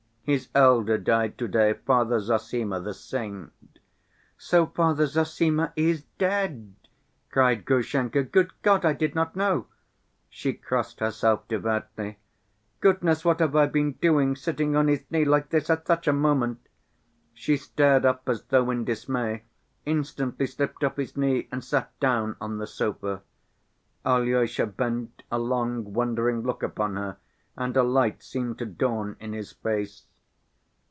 "His elder died to‐day, Father Zossima, the saint." "So Father Zossima is dead," cried Grushenka. "Good God, I did not know!" She crossed herself devoutly. "Goodness, what have I been doing, sitting on his knee like this at such a moment!" She started up as though in dismay, instantly slipped off his knee and sat down on the sofa. Alyosha bent a long wondering look upon her and a light seemed to dawn in his face.